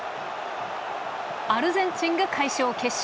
アルゼンチンが快勝。